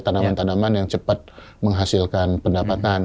tanaman tanaman yang cepat menghasilkan pendapatan